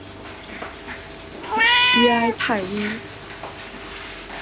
屈埃泰乌。